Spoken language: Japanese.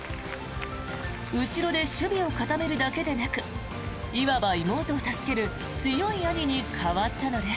後ろで守備を固めるだけでなくいわば妹を助ける強い兄に変わったのです。